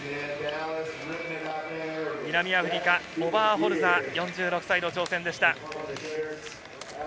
南アフリカ、オバーホルザー４６歳の挑戦でした。